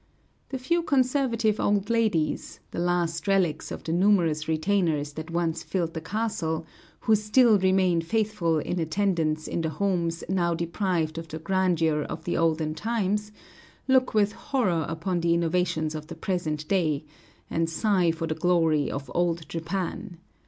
The few conservative old ladies, the last relics of the numerous retainers that once filled the castle, who still remain faithful in attendance in the homes now deprived of the grandeur of the olden times, look with horror upon the innovations of the present day, and sigh for the glory of old Japan.